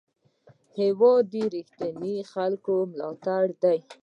هېواد د رښتینو خلکو ملاتړی دی.